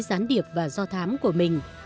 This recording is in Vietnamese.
gián điệp và do thám của mình